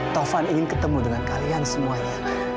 tovan ingin ketemu dengan kalian semuanya